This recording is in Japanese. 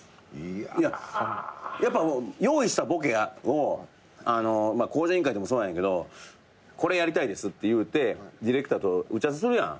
いややっぱ用意したボケを『向上委員会』でもそうなんやけど「これやりたいです」って言うてディレクターと打ち合わせするやん。